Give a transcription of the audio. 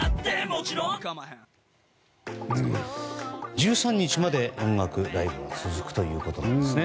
１３日まで音楽ライブは続くということなんですね。